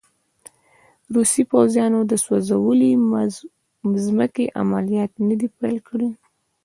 روسي پوځیانو د سوځولې مځکې عملیات نه دي پیل کړي.